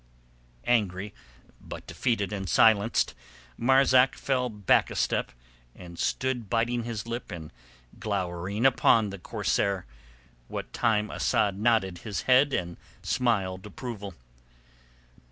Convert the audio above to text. Angry but defeated and silenced, Marzak fell back a step and stood biting his lip and glowering upon the corsair, what time Asad nodded his head and smiled approval.